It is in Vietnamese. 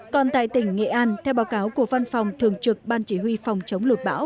còn tại tỉnh nghệ an theo báo cáo của văn phòng thường trực ban chỉ huy phòng chống lụt bão